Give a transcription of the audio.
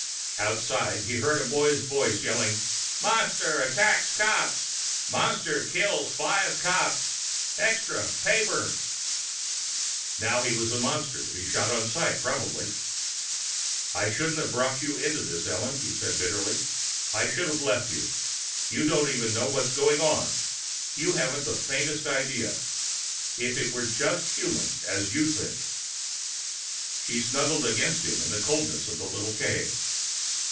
Outside, he heard a boy's voice yelling. "Monster attacks cops! Monster kills five cops! Extra Paper!" Now he was a monster, to be shot on sight, probably. "I shouldn't have brought you into this, Ellen," he said bitterly. "I should have left you. You don't even know what's going on you haven't the faintest idea. If it were just humans, as you think...." She snuggled against him in the coldness of the little cave.